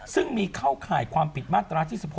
ซึ่งมีเข้าข่ายความผิดมาตราที่๑๖